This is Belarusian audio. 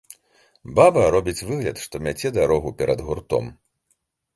Баба робіць выгляд, што мяце дарогу перад гуртом.